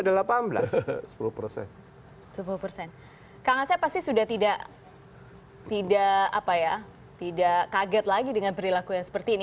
kalau nggak saya pasti sudah tidak kaget lagi dengan perilaku yang seperti ini